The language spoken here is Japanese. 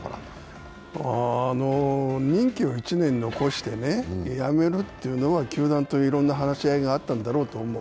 任期を１年残して辞めるというのは球団といろんな話し合いがあったんだろうと思う。